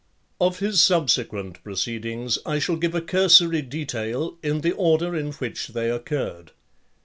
Of his subsequent proceedings I shall give a cursory detail, in the order in which they occurred .